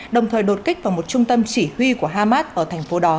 đồng thời đột kích vào một trung tâm chỉ huy của hamas ở thành phố đó